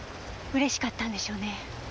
うれしかったんでしょうね